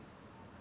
dua tahun kemudian